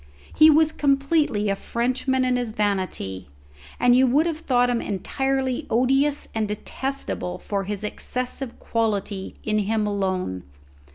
He was completely a Frenchman in his vanity, and you would have thought him entirely odious and detestable for this excessive quality in him alone.